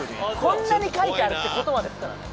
こんなに書いてあるって事はですからね。